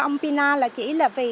ông pina là chỉ là vì